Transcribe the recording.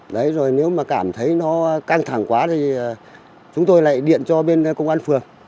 đấy rồi nếu mà cảm thấy nó căng thẳng quá thì chúng tôi lại điện cho bên công an phường